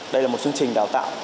đây là một chương trình đào tạo